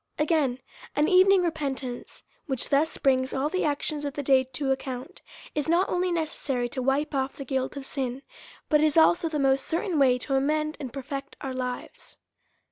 Again : An evening repentance, which thus brings all the actions of the day to account, is not only neces sary to wipe off tlie guilt of c in, but is also the most certain way to amend and perfect our lives.